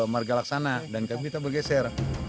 marga laksana dan kami kita bergeser